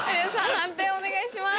判定お願いします。